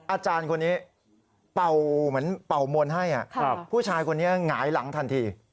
อาจารย์คนนี้เป่าเหมือนเป่ามนต์ให้ผู้ชายคนนี้หงายหลังทันที